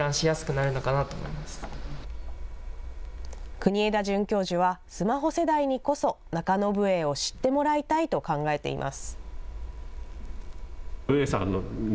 國枝准教授はスマホ世代にこそ、中野武営を知ってもらいたいと考えています。